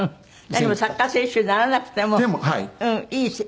何もサッカー選手にならなくてもいい。